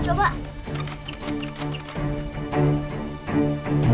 kok kerja kebuka sendiri